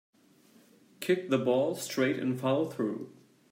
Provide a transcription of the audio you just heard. Kick the ball straight and follow through.